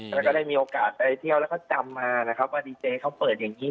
แล้วก็ได้มีโอกาสไปเที่ยวแล้วก็จำมานะครับว่าดีเจเขาเปิดอย่างนี้